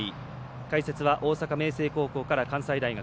解説は大阪明星高校から関西大学。